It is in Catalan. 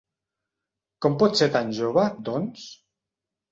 Com pot ser tan jove, doncs?